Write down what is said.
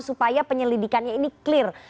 supaya penyelidikannya ini clear